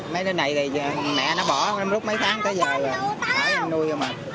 mấy đứa này thì mẹ nó bỏ lúc mấy tháng tới giờ là bỏ ra nuôi rồi mà